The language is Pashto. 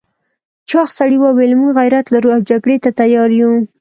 چاغ سړي وویل موږ غيرت لرو او جګړې ته تيار یو.